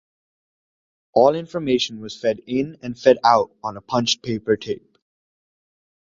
All information was fed in and fed out on punched paper tape.